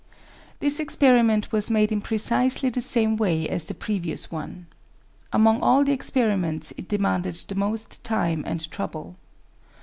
This experiment was made in precisely the same way as the previous one. Among all the experiments it demanded the most time and trouble.